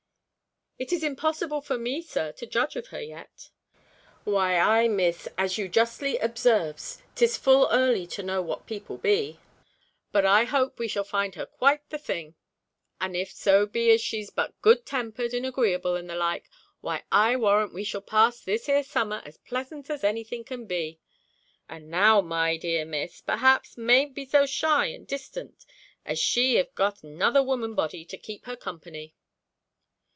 'It is impossible for me, Sir, to judge of her yet.' 'Why ay, Miss, as you justly observes, 'tis full early to know what people be; but I hope we shall find her quite the thing; and if so be as she's but good tempered, and agreeable, and the like, why I warrant we shall pass this here summer as pleasant as any thing can be. And now my dear Miss, perhaps, may'nt be so shy and distant, as she have got another woman body to keep her company.'